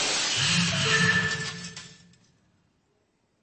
Olly llega y pide hablar en privado con Sam.